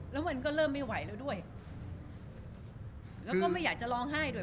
แล้วมันก็เริ่มไม่ไหวแล้วด้วยแล้วก็ไม่อยากจะร้องไห้ด้วย